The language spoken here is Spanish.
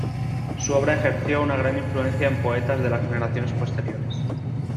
Su obra ejerció una gran influencia en poetas de las generaciones posteriores.